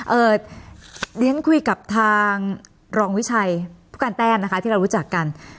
เอ่อเรียนคุยกับทางรองวิชัยผู้การแต้มนะคะที่เรารู้จักกัน